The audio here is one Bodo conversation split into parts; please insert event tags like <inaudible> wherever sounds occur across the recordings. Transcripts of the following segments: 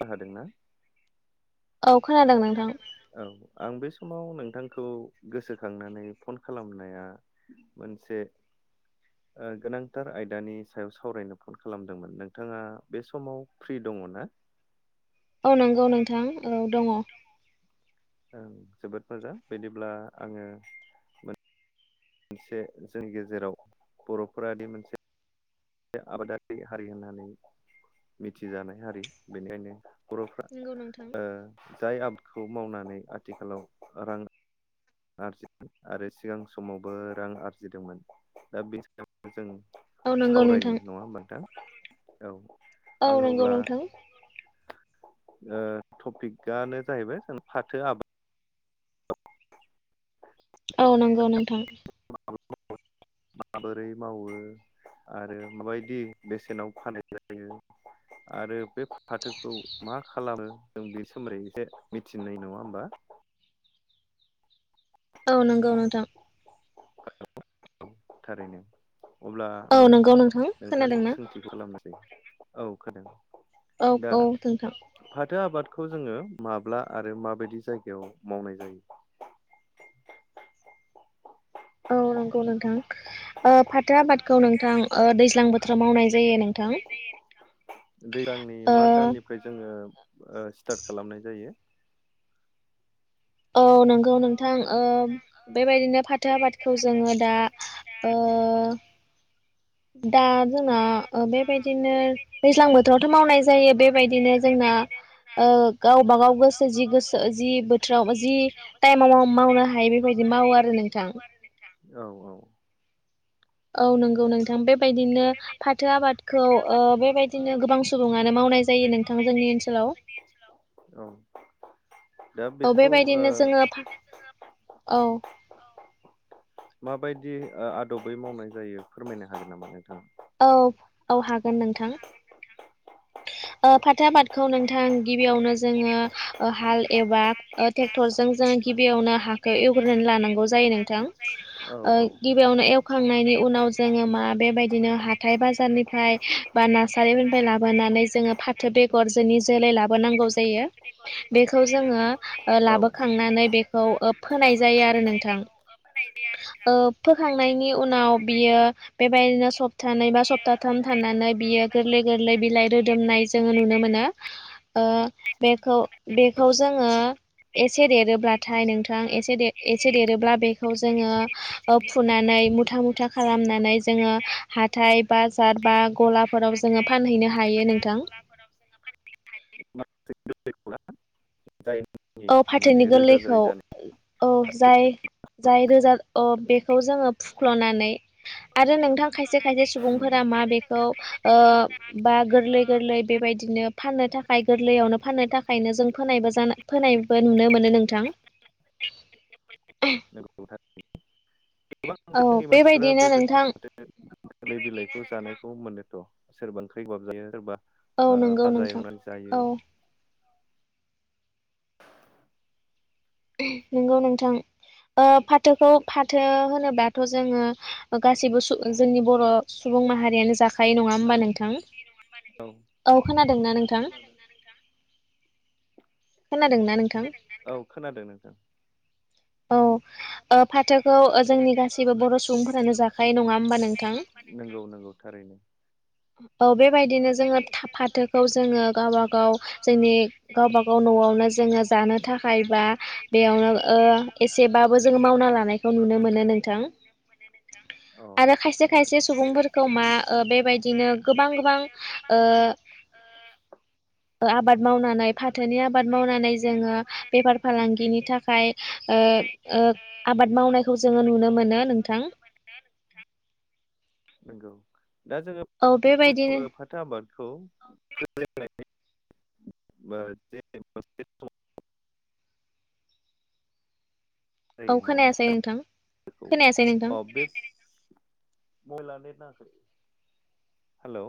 बाहादोंना औ खोनादों नोंथां औ आं बे समाव नोंथांखौ गोसोखांनानै फन खालामनाया जे ओ गोनांथार आयदानि सायाव सावरायनो फन खालामदोंमोन नोंथाङा बे समाव फ्रि दं दङ ना औ नंगौ नोंथां औ दङ' जोबोद मोजां बिदिब्ला आङो मोनसे जोंनि गेजेराव बर'फोराद आरो मोनसे आबादारि हारि होननानै मिथिजानाय हारि बेनिखायनो बर'फ्रा नंगौ नोंथां जाय आबादखौ मावनानै आथिखालाव रां आरजि आरो सिगां समावबो रां आरजिदोंमोन दा बेनि सायाव जों औ नंगौ नोंथां सावरायनाय नङा होनबा नोंथां औ औ आं नंगौ अब्ला नोंथां टपिकआनो जाहैबाय जों फाथो आबाद औ नंगौ नोंथां <inaudible> माबोरै मावो आरो माबायदि बेसेनाव फानानाय जायो आरो बे फाथोखौ मा खालामो जों बे सोमोन्दै एसे मिथिनाय नङा होमबा? <inaudible> औ नंगौ नोंथां। थारैनो अब्ला औ आं नंगौ नोंथां खोनादोंना सोंथि खालामनोसै। औ खादों औ दा औ नोंथां फाथो आबाद खौ जोङो माब्ला आरो माबायदि जायगायाव मावनाय जायो <inaudible> औ नंगौ नोंथां। ओ फाथो आबादखौ नोंथां दैज्लां बोथोराव मावनाय जायो नोंथां। दैज्लांनि ओ मा दाननिफ्राय जोङो ओ स्टार्ट खालामनाय जायो। औ नंगौ नोंथां ओ बेबायदिनो फाथो आबादखौ जोङो दा ओ दा जोंना ओ बे बेबायदिनो दैज्लां बोथोरावथ' मावनाय जायो बेबायदिनो जोंना ओ गावब गाव जि गोसो जि बोथोराव जि टाइमाव मावनो हायो बेबायदि मावो आरो नोंथां। औ औ। औ नंगौ नोंथां बेबायदिनो फाथो आबादखौ ओ बेबायदिनो गोबां सुबुङानो मावनाय जायो। नोंथां मानो जोंनि ओनसोलाव मावनाय जायो नोंथांमोननि ओनसोलाव? औ बेबायदिनो जोङो फा औ। माबायदि ओ आदबै मावनाय जायो फोरमायनो हागोन नामा नोंथां? औ औ हागोन नोंथां। ओ फाथो आबादखौ नोंथां गिबियावनो जोङो ओ हाल एबा ट्रेक्टरजों जों गिबियावनो हाखौ एवग्रोनानै लानांगौ जायो नोंथां। औ ओ औ गिबियावनो एवखांनायनि उनाव जोङो मा बेबायदि हाथाइ बाजार निफ्राइ बा नासारि फोरनिफ्राइ लाबोनानै जोङो फाथो बेगर फारसेनि जोलै लाबोनांगौ जायो। बेखौ जोङो ओ औ लाबोखांनानै बेखौ ओ फोनाय जायो आरो नोंथां। ओ फोखां नायनि उनाव बियो बेबायदिनो सप्तानै बा सप्ताथाम थनानै बियो गोरलै गोरलै बिलाइ रोदोमनाय जोङो नुनो मोनो। ओ बेखौ बेखौ जोङो एसे देरोब्लाथाय नों थां एसे दे एसे देरोब्ला बे खौ जोङो ओ फुनानै मुथा मुथा खालामनानै जोङो हाथाय बाजार बा गलाफोराव जोङो फानहैनो हायो नोंथां। <unintelligible> जायनि औ माने फाथोनि गोलैखौ रोजाद्राय जा औ जाय जाय रोजा अ बेखौ जोङो फुख्ल'नानै आरो नोंथां खायसे खायसे उम सुबुंफोरा मा बेखौ ओ बा गोरलै गोरलै बेबायदि बिदिनो फाननो थाखाय गोरलैयावनो फाननो थाखायनो जों फोनायबो जानो फोनायबो नुनो मोनो नोंथां <unintelligible> नंगौ गोबां औ जोंनि मानसिफोरा बेबायदिनो बेबायादि नोंथां थोलाय बिलाइखौ जानाय खौ मोनोथ' सोरबा ओंख्रि गोबाब जायो सोरबा औ ओ नंगौ भाजा नोंथां एवनानै औ जायो। <inaudible> <unintelligible> नंगौ नोंथां। ओ फाथोखौ फाथो होनोबाथ' जोङो गासिबो सु जोंनि बर' सुबुं माहारियानो जा फाय नङा होमबा नोंथां? औ खोनादोंना नोंथां? <inaudible> नोंथां औ खोनादों नोंथां। औ ओ फाथ थोखौ ओ जोंनि गासैबो बर' सुबुंफोरानो जाखायो नङा होमबा नोंथां। नंगौ नंगौ थारैनो औ बेबायदिनो जोङो फाथोखौ जोङो गावबा गाव जोंनि गावबा गाव न'आवनो जोङो जानो थाखाय बा बेयावनो ओ एसेबाबो जों मावना लानाय खौ नुनो मोनो नोंथां। अ आरो खायसे नंगौ खायसे सुबुंफोरखौ मा ओ बेबायदिनो गोबां गोबां ओ ओ आबाद मावनानै फाथोनि आबाद मावनानै जोङो बेफार फालांगिनि थाखाय ओ ओ आबाद मावनायखौ जोङो नुनो मोनो नोंथां। नंगौ दा जोङो औ फाथो बेबायदिनो ओ फाथो आबादखौ <unintelligible> <unintelligible> औ जायो नङा होमबा खोनायासै नोंथां खोनायासै नोंथां। मबेला नेट नांआखै हेलौ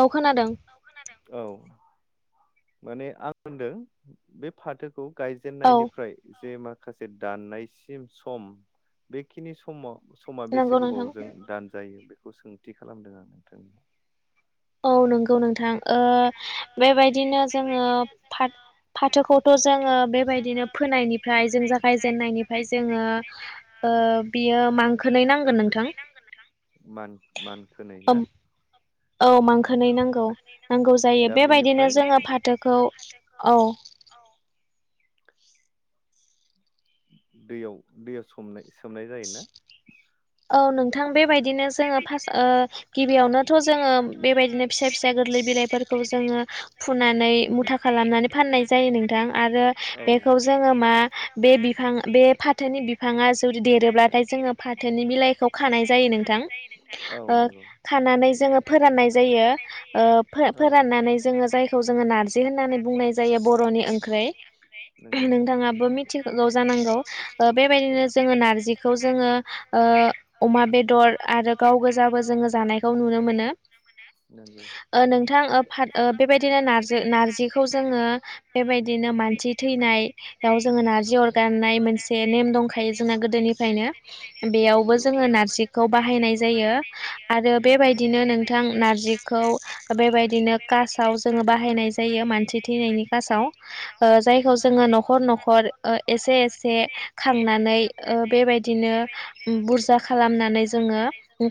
औ खोनादों। औ माने आं होनदों बे फाथोखौ औ गायजेननायनिफ्राय जे मा माखासे दाननायसिम सम बेखिनि समाव समा बेसे नंगौ नोंथां गोबावजों दानजायो बेखौ सोंथि खालामदों आं नोंथां औ नंगौ नोंथां। ओ बेबायदिनो जोङो फाथ फाथोखौथ' जोङो बेबायदिनो फोनायनिफ्राय जों जागायजेननायनिफ्राय जोङो ओ बियो मांखोनै नांगोन नोंथां। मान मानखोनै ना? औ मांखोनै नांगौ नांगौ। जायो दा बेबायदिनो बेनिफ्राय जोङो फाथोखौ औ। दैयाव दैयाव समनाय सोमनाय जायोना? थां बेबायदिनो जोङो फार्स्ट ओ गिबियावनोथ' जोङो बेबायदिनो फिसा फिसा गोरलै बिलाइफोरख खौ जोङो फुनानै मुथा खालामनानै फाननाय जायो नोंथां आरो औ बेखौ जोङो मा बे बिफां बे फाथोनि बिफाङा जुदि देरोब्लाथाय जोङो फाथोनि बिलाइखौ खानाय जायो नोंथां। औ ओ नंगौ खानानै जोङो फोराननाय जायो ओ फो औ फोराननानै जोङो जायख खौ जोङो नारजि होननानै बुंनाय जायो बर'नि ओंख्रै। नंगौ नोंथाङाबो मिथिगौ जानांगौ बेबायदिनो जोङो नारजिखौ जोङो ओ अमा बेदर आरो गाव गोजाबो जोङो जानायखौ नुनो मोनो नंगौ ओ नों थां ओ फाट ओ बेबायदिनो नारजि नारजिखौ जोङो बेबायदिनो मानसि थैनाय बेयाव जोङो नारजि अरगारनाय मोनसे नेम दंखायो जोंना गोदोनिफ्रायनो बेयावबो नंगौ जों जोंङो नारजिखौ बाहायनाय जायो आरो नंगौ बेबायदिनो नोंथां नारजिखौ बे बेबायदिनो खासाव जोङो बाहायनाय जायो मानसि थैनायनि खासाव ओ जायखौ उम जोङो नख खर नखर ओ एसे एसे खांनानै ओ बेबायदिनो बुरजा खालामनानै जोङो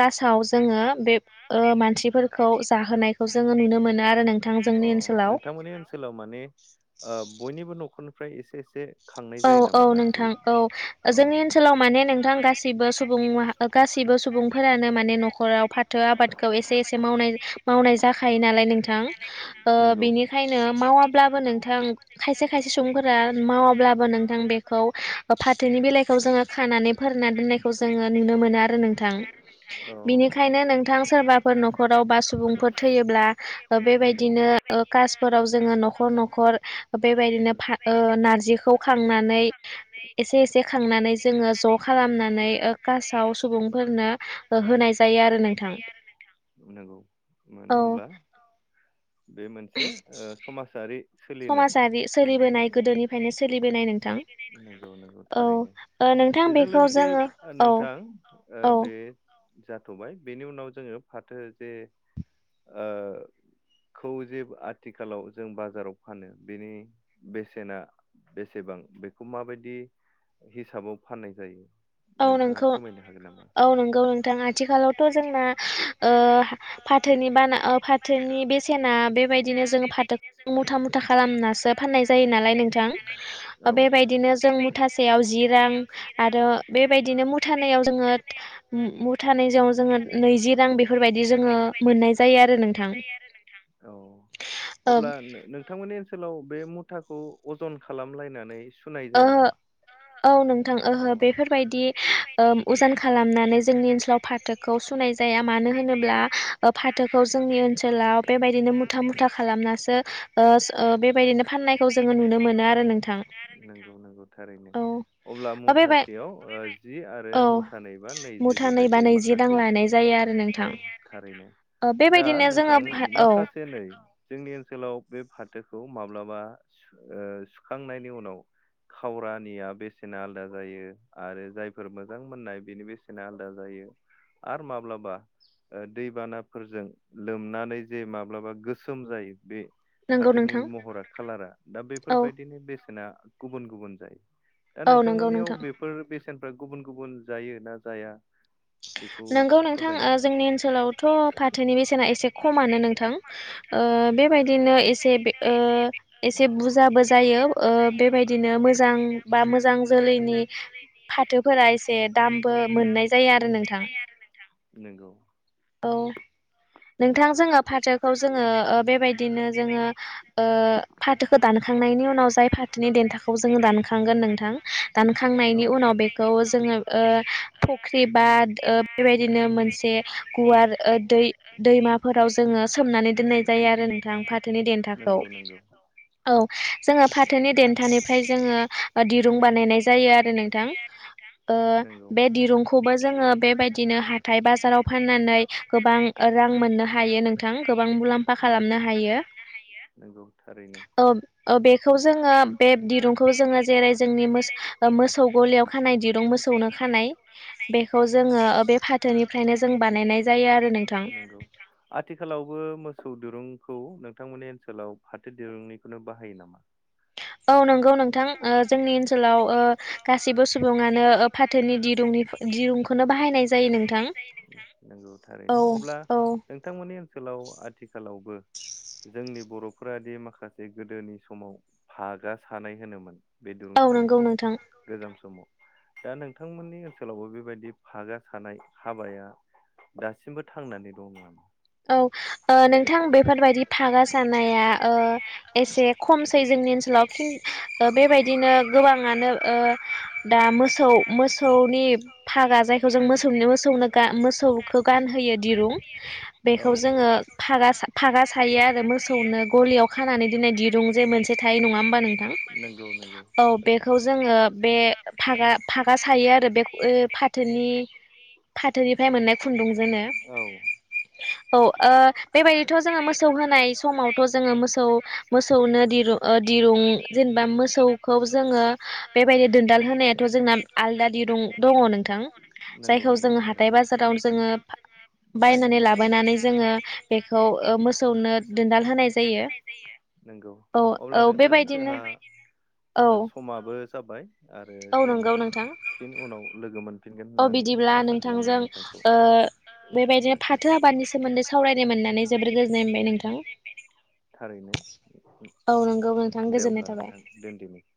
कासाव जोङो बे ओ मानसिफोरखौ जाहोनायखौ जों अ नोंथांमोननि ओनसोलाव ओ माने बयनिबो न'खर फ्राय एसे एसे खांनाय औ जायो औ नामा नारजि नोंथां औ औ जोंनि ओनसोलाव माने नोंथां गासिबो सुबुं माहा गासिबो सुबुंफोरानो माने न'खराव फाथो आबादखौ एसे एसे मावनाय मावनाय जाखायो नाला खाय नोंथां ओ नंगौ बिनिखायनो मावाब्लाबो नोंथां खायसे खायसे सुबुंफोरा मावाब्ला नोंथां बेखौ फाथोनि बिलाइखौ जोङो खानानै फोरना दोननायखौ जोङो नुनो मोनो आरो नोंथां। औ बिनिखायनो नोंथां सोरबाफोर न'खराव बा सुबुंफोर थैयोब्ला ओ नंगौ बेबायदिनो ओ कासफोराव जोङो न'खर न'खर बेबायदिनो फा ओ नारजिखौ खांनानै एसे एसे खांनानै जोंङो ज' खालामनानै ओ कासाव सुबुंफोरनो ओ होनाय जायो आरो नोंथां नांगौ मानो औ होनब्ला बे मोनसे समाजा समाजारि सोलिबोनाय गोदोनिफ्रायनो सोलिबोनाय नोंथां नंगौ नंगौ औ थारैनो ओ नोंथां बेजों बेखौ लोगोसे जोङो औ नोंथां ओ औ बे जाथ'बाय बेनि उनाव जोंङो फाथो जे ओ खौ जे आथिखालाव जों बाजाराव फानो बेनि बेसेना बेसेबा बां बेखौ माबायदि हिसाबाव फाननाय जायो औ नोंथाङा नोंख' फोरमायनो औ नंगौ नोंथां आथिखालावथ' जोंना ओ फाथोनि बाना ओ फाथोनि बेसेना बेबायदिनो जोंङो फाथो मुथा मुथा खालामनासो फान नाय जायो नालाय नोंथां ओ औ बेबायदिनो जों मुथासेयाव जि रां आरो बेबायदिनो मुथानायाव जोङो मुथानायजों जोंङो नैजि रां बेफोरबायदि जोंङो <inaudible> ओ अब्ला नोंथांमोननि ओनसोलाव बे मुथाखौ अजन खालामलायनानै सुनाय जाया ओहो नामा? औ नोंथां ओहो बेफोर बायदि ओ उजान खालामनानै जोंनि ओनसोलाव फाथोखौ सुनाय जाया मानो होनोब्ला ओ फाथोखौ जोंनि ओनसोलाव बेबायदिनो मुथा मुथा खालामनासो ओ स ओ बेबायदिनो फाननायखौ जोंङो नुनो मोनो आरो नोंथां <inaudible> नंगौ थारैनो औ अब्ला ओ मुथा बेबाय <inaudible> औ औ मुथा नैबा नैजि रां लानाय जायो आरो नोंथां थारैनो ओ दा बेबायदिनो जोङो नोंथां औ माखासे नै जोंनि ओनसोलाव बे फाथो खौ माब्लाबा ओ सुखांनायनि उनाव खावरानिया बेसेना आलदा जायो आरो जायफोर मोजां मोननाय बेनि बेसेना आलदा जायो आरो माब्लाबा ओ दैबानाफोरजों लोमनानै जे माब्लाबा गोसोम जायो बे नंगौ फाथोनि नोंथां महरा खालारा दा औ बेफोरबायदिनो बेसेना गुबुन गुबुन जायो दा औ नंगौ नोंथांमोननियाव नोंथां बेफोर बेसेनफ्रा गुबुन गुबुन जायो ना जाया बेखौ <inaudible> नोंगौ नोंथां फोरमायनो ओ जोंनि ओनसोलावथ' फाथोनि बेसेना एसे खमानो हागोन नोंथां ओ ओ बेबायदिनो एसे बे ओ एसे बुजाबो जायो ओ बेबायदिनो मोजां <inaudible> बा मोजां जोलैनि फाथोफोरा एसे दामबो मोननाय जायो आरो नोंथां नंगौ औ नोंथां जोङो फाथोखौ जोंङो ओ बेबायदिनो जोंङो ओ फाथोखो दान खांनायनि उनाव जाय फाथोनि देथाखौ जोंङो दानखांगोन नोंथां दानखा औ नायनि उनाव बेखौ जोंङो ओ फख्रि बा ओ बेबायदिनो मोनसे गुवार ओ दै दैमाफोराव जोंङो सोमनानै दोननाय जायो आरो नोंथां फाथोनि देन्थाखौ नंगौ नंगौ औ जोंङो फाथोनि देन्थानिफ्राय जोंङो ओ दिरुं बानायनाय जायो आरो नोंथां ओ नंगौ बे दिरुंखौबो जोंङो बेबायदिनो हाथाइ बाजाराव फाननानै गोबां रां मोननो हायो नोंथां गोबां मुलाम्फा खालामनो हायो नंगौ थारैनो ओ ओ बेखौ जोंङो बे दिरुंखौ जोंङो जेरै जोंनि मोस ओम गलियाव खानाय दिरुं मोसौनो खानाय बेखौ जोंङो ओ बे फाथोनिफ्रायनो जों बानायनाय जायो आरो नोंथां <inaudible> आथिखालावबो मसौ दुंरुं खौ नोंथांमोननि ओनसोलाव फाथो दिरुंनिखौनो बाहायो नामा औ नंगौ औ नोंथां ओ नंगौ नोंथां जोंनि ओ ओनसोलाव जोंनि ओनसोलाव ओ गासिबो सुबुङानो गासैबो सुबुंङानो फाथोनि ओ दिरुंनि फाथोनि दिरुंखौनो बाहायनाय जायो नोंथां नंगौ औ थारैनो अब्ला औ नोंथांमोननि ओनसोलाव आथिखालावबो जोंनि बर' फोरादि माखासे गोदोनि समाव फागा सानाय होनोमोन बे दुरुं औ नंगौ सानायखौ नोंथां गोजाम समाव दा नोंथांमोननि ओनसोलावबो बेबायदि फागा सानाय हाबाया दासिमबो थांनानै दं नामा औ ओ नोंथां बेफोरबायदि फागा सानाया ओ एसे खमसै जोंनि ओनसोलाव खि बेबायदिनो गोबाङानो ओ दा मोसौ मोसौनि फागा जायखौ जों मोसौ मोसौनो मोसौखौ गानहोयो दिरुं औ थाया बेखौ जोङो फागा फागा सायो आरो मोसौनो गलियाव खानानै दोननाय दिरुं जे मोनसे थायो नङा होमबा नोंथां नोंथां औ बेखौ जोङो बे फागा फागा सायो आरो बे फाथोनि फाथोनिफ्राय मोननाय खुन्दुंजोंनो औ औ ओ बेबायदिथ' जोङो मोसौ होनाय समावथ' जोङो मोसौ मोसौ मोसौनो दिरुं दिरुं जेनेबा मोसौखौ जोङो बेबायदि दोनदाल होनायाथ जोंना आलदा दिरुं दङ नोंथां नंगौ जायखौ जों नंगौ थारै हाथाइ बाजाराव जोङो बाय नानै लाबोना नानै लाबोनानै जोङो बेखौ ओ मोसौनो दोनदाल होनाय दोनदाल जायो होनाय जायो नंगौ औ अब्ला औ नोंथां बेबायदिनो औ जोंहा समाबो जाबाय आरो औ जों नंगौ नोंथां फिन उनाव लोगो मोनफिनगोन औ होननानै बिदिब्ला आसा खालामो नोंथांजों नोंथांखौ ओ बेबायदिनो फाथो आबादनि सोमोन्दै सावरायनो मोननानै जोबोर गोजोननाय मोनबाय नोंथां थारैनो औ नंगौ नोंथां दे‌ गोजोननाय अब्ला थाबाय नोंथां दोनदिनि